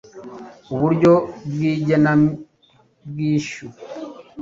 g Uburyo bw igenabwishyu